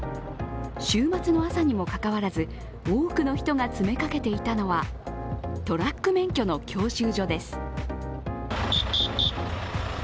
週末の朝にもかかわらず多くの人が詰めかけていたのはトラック免許の教習所です。